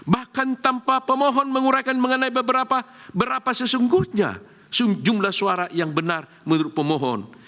bahkan tanpa pemohon menguraikan mengenai beberapa berapa sesungguhnya jumlah suara yang benar menurut pemohon